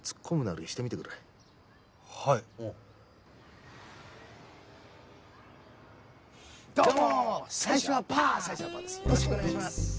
よろしくお願いします。